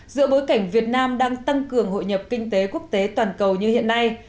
giữa bối cảnh việt nam đang tăng cường hội nhập kinh tế quốc tế toàn cầu như hiện nay